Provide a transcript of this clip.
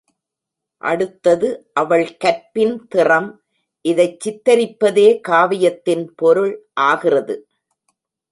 அடுத்தது அவள் கற்பின் திறம் இதைச் சித்திரிப்பதே காவியத்தின் பொருள் ஆகிறது.